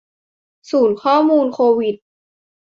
ศูนย์ข้อมูลโควิด